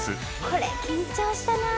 これ緊張したな。